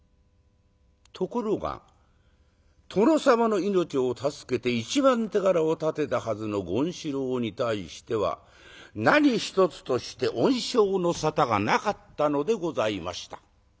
ところが殿様の命を助けて一番手柄を立てたはずの権四郎に対しては何一つとして恩賞の沙汰がなかったのでございました。